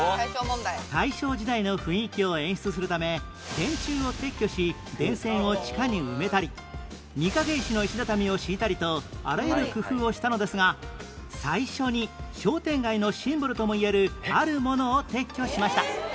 大正時代の雰囲気を演出するため電柱を撤去し電線を地下に埋めたり御影石の石畳を敷いたりとあらゆる工夫をしたのですが最初に商店街のシンボルともいえるあるものを撤去しました